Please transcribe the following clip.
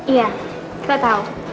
iya kita tahu